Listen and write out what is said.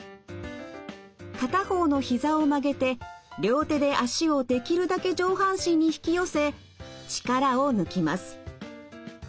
片方のひざを曲げて両手で脚をできるだけ上半身に引き寄せ力を抜きます。